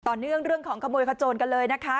ต่อเนื่องเรื่องของขโมยพจนกันเลยนะคะ